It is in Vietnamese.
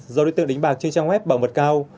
do đối tượng đánh bạc trên trang web bảo mật cao